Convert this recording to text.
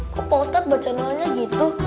kok pak ustadz baca doanya gitu